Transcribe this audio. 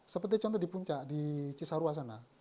seperti contoh di puncak di cisaruasana